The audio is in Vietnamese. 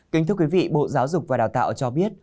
kính thưa quý vị bộ giáo dục và đào tạo cho biết